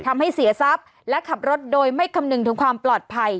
ทำให้เสียทรัพย์และขับรถโดยไม่คำนึงถึงความปลอดภัย